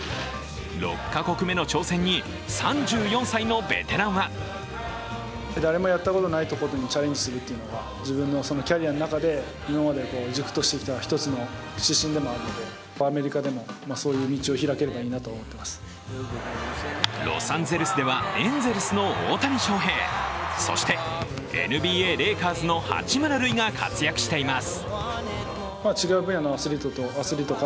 ６か国目の挑戦に３４歳のベテランはロサンゼルスではエンゼルスの大谷翔平、そして、ＮＢＡ・レイカーズの八村塁が活躍しています。